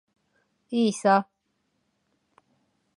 いいさ。